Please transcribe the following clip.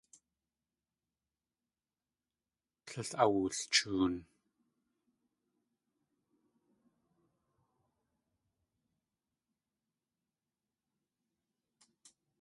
Tlél awulchoon.